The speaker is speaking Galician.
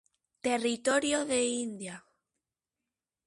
Territorio de India.